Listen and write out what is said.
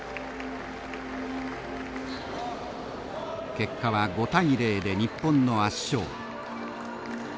結果は５対０で日本の圧勝。